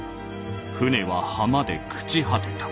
船は浜で朽ち果てた」。